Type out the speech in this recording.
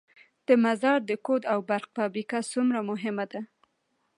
د مزار د کود او برق فابریکه څومره مهمه ده؟